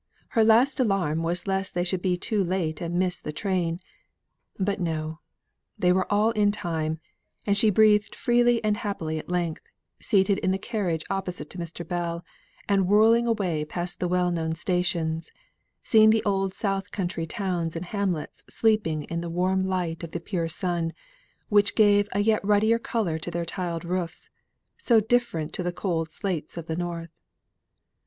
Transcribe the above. Her last alarm was lest they should be too late and miss the train; but no! they were all in time; and she breathed freely and happily at length, seated in the carriage opposite to Mr. Bell, and whirling away past the well known stations; seeing the old south country towns and hamlets sleeping in the warm light of the pure sun, which gave a yet ruddier colour to their tiled roofs, so different to the cold slates of the north.